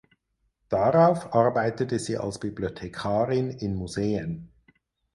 Darauf arbeitete sie als Bibliothekarin in Museen.